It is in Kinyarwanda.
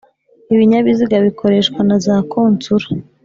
Ibinyabiziga bikoreshwa na za konsula